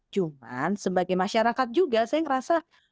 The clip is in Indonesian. cuman sebagai masyarakat juga saya ngerasa